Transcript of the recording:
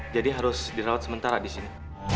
jadi harus dirawat sementara disini